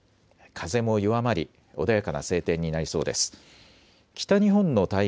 風も弱まり穏やかな晴天になりそうです。